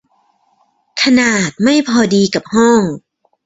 ขนาดไม่พอดีกับห้อง